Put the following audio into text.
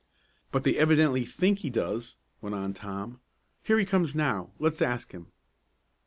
"But they evidently think he does," went on Tom. "Here he comes now; let's ask him."